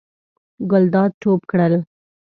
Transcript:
ګلداد ټوپ کړل.